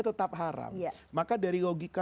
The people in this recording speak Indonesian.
tetap haram maka dari logika